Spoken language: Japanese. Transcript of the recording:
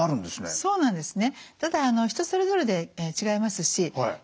そうなんですね。